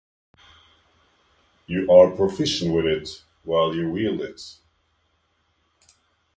You are proficient with it while you wield it.